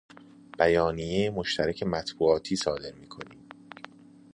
بیانیه مشترک مطبوعاتی صادر می کنیم.